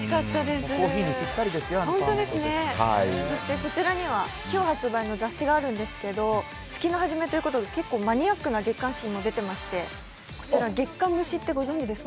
こちらには今日発売の雑誌があるんですけれども、月の初めということで、結構マニアックな月刊誌が出ていましてこちら「月刊むし」ってご存じですか？